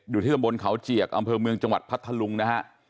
อยู่ที่ตำบลเขาเจียกอำเภอเมืองจังหวัดพัทธลุงนะฮะ